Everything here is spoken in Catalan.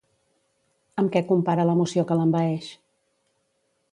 Amb què compara l'emoció que l'envaeix?